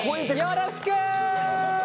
よろしく！